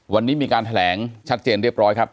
วันนี้มีการแถลงชัดเจนเรียบร้อยครับ